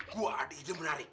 gue ada ide menarik